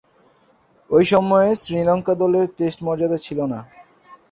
ঐ সময়ে শ্রীলঙ্কা দলের টেস্ট মর্যাদা ছিল না।